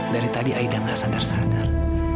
dari tadi aida gak sadar sadar